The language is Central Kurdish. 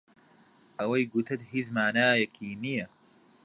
ئەوەی گوتت هیچ مانایەکی نییە.